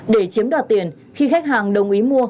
để chiếm đoạt tiền khi khách hàng đồng ý mua